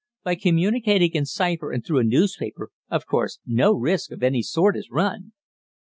By communicating in cypher and through a newspaper of course no risk of any sort is run."